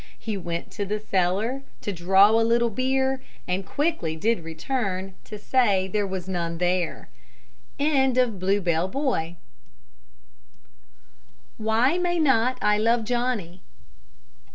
He went to the cellar To draw a little beer; And quickly did return To say there was none there. WHY MAY NOT I LOVE JOHNNY?